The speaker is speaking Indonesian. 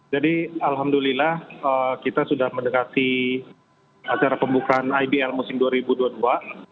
jadi alhamdulillah kita sudah mendekati acara pembukaan ibl musim dua ribu dua puluh dua